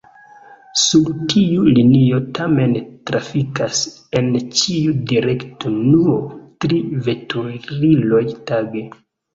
Sur tiu linio tamen trafikas en ĉiu direkto nur tri veturiloj tage.